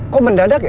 kok mendadak ya